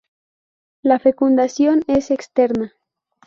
La fecundación es externa.